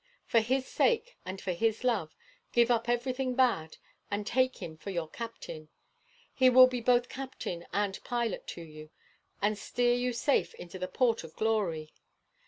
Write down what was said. For his sake and for his love, give up everything bad, and take him for your captain. He will be both captain and pilot to you, and steer you safe into the port of glory.